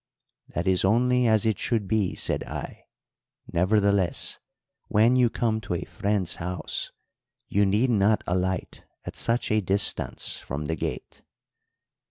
"'That is only as it should be,' said I; 'nevertheless, when you come to a friend's house, you need not alight at such a distance from the gate.'